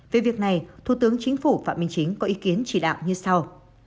về việc này thủ tướng chính phủ phạm minh chính có ý kiến chỉ đạo như sau